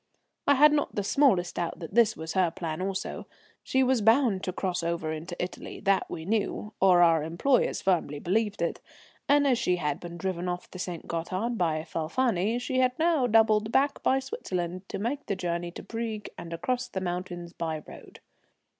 I had not the smallest doubt that this was her plan also. She was bound to cross over into Italy, that we knew, or our employers firmly believed it, and as she had been driven off the St. Gothard by Falfani she had now doubled back by Switzerland to make the journey to Brieg and across the mountains by road.